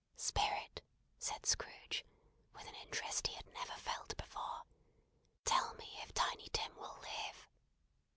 "Spirit," said Scrooge, with an interest he had never felt before, "tell me if Tiny Tim will live."